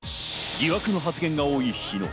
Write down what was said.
疑惑の発言が多い日野。